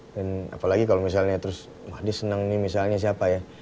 dan apalagi kalau misalnya terus wah dia seneng nih misalnya siapa ya